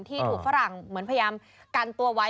ที่ถูกฝรั่งเหมือนพยายามกันตัวไว้